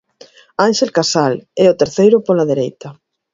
Ánxel Casal é o terceiro pola dereita.